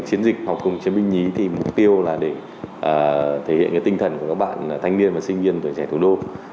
chiến dịch học cùng chiến binh nhí thì mục tiêu là để thể hiện tinh thần của các bạn thanh niên và sinh viên tuổi trẻ thủ đô